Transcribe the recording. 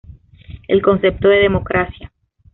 El concepto de democracia.